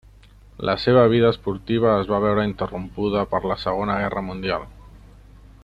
La seva vida esportiva es va veure interrompuda per la Segona Guerra Mundial.